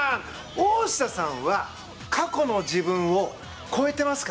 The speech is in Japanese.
大下さんは過去の自分を超えてますか？